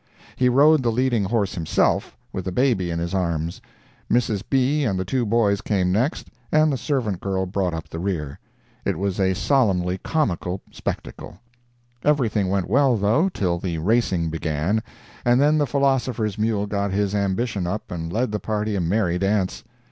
He rode the leading horse himself, with the baby in his arms; Mrs. B. and the two boys came next, and the servant girl brought up the rear. It was a solemnly comical spectacle. Everything went well, though, till the racing began, and then the philosopher's mule got his ambition up and led the party a merry dance.